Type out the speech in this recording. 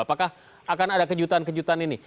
apakah akan ada kejutan kejutan ini